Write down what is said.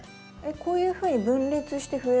こういうふうに分裂して増える？